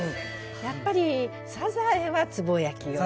やっぱりサザエはつぼ焼きよね。